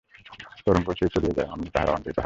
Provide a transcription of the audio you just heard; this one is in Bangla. তরঙ্গও যেই চলিয়া যায়, অমনি তাহারাও অন্তর্হিত হয়।